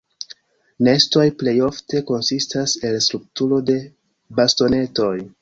Nestoj plej ofte konsistas el strukturo de bastonetoj.